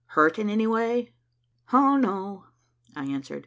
"Hurt in any way?" "Oh, no," I answered.